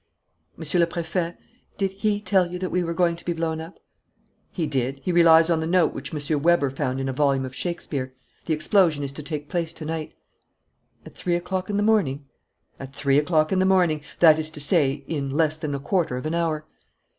"Monsieur le Préfet, did he tell you that we were going to be blown up?" "He did. He relies on the note which M. Weber found in a volume of Shakespeare. The explosion is to take place to night." "At three o'clock in the morning?" "At three o'clock in the morning that is to say, in less than a quarter of an hour."